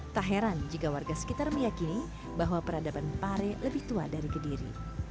tak heran jika warga sekitar meyakini bahwa peradaban pare lebih tua dari kediri